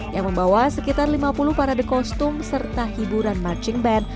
yang membawa sekitar lima puluh parade kostum serta hiburan marching band